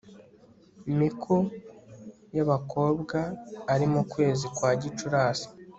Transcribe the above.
miko y'abakobwa ari mu kwezi kwa gicurasi